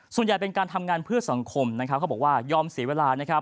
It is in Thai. ส่วนใหญ่เป็นการทำงานเพื่อสังคมเขาบอกว่ายอมเสียเวลา